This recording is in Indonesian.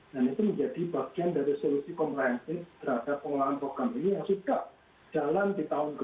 dan itu menjadi bagian dari solusi komprehensif terhadap pengolahan program ini yang sudah jalan di tahun ke tujuh